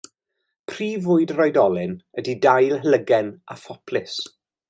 Prif fwyd yr oedolyn ydy dail helygen a phoplys.